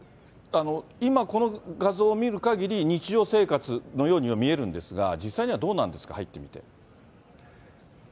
今この画像を見るかぎり、日常生活のようには見えるんですが、実際にはどうなんですか、入ってみて。